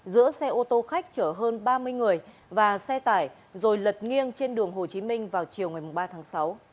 giữa xe ô tô khách chở hơn ba mươi người và xe tải rồi lật nghiêng trên đường hồ chí minh vào chiều ngày ba tháng sáu